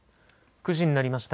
９時になりました。